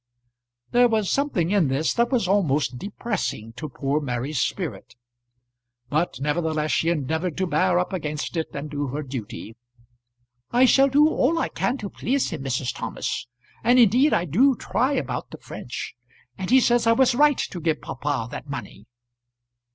There was something in this that was almost depressing to poor Mary's spirit, but nevertheless she endeavoured to bear up against it and do her duty. "I shall do all I can to please him, Mrs. Thomas; and indeed I do try about the French. And he says I was right to give papa that money."